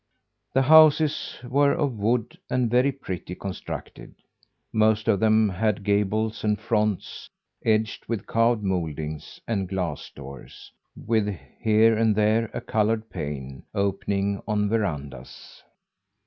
The houses were of wood, and very prettily constructed. Most of them had gables and fronts, edged with carved mouldings, and glass doors, with here and there a coloured pane, opening on verandas.